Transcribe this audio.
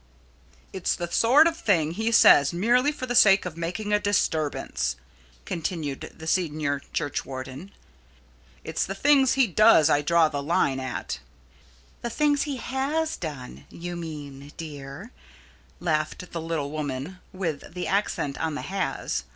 "It's the sort of thing he says merely for the sake of making a disturbance," continued the senior churchwarden. "It's the things he does I draw the line at." "The things he has done, you mean, dear," laughed the little woman, with the accent on the "has."